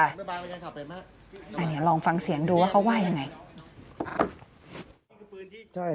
อันนี้ลองฟังเสียงดูว่าเขาว่ายังไง